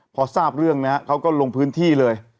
พอทราบเรื่องนะฮะเขาก็ลงพื้นที่เลย